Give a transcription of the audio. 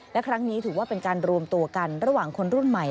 และครั้งนี้ถือว่าเป็นการรวมตัวกันระหว่างคนรุ่นใหม่